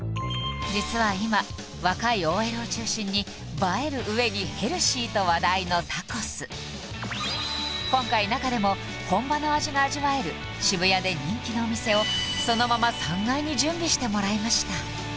実は今若いＯＬを中心に映える上にヘルシーと話題のタコス今回中でも本場の味が味わえる渋谷で人気のお店をそのまま３階に準備してもらいました